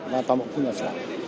và toàn bộ khu nhà sửa